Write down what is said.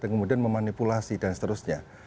kemudian memanipulasi dan seterusnya